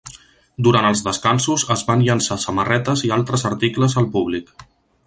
Durant els descansos, es van llançar samarretes i altres articles al públic.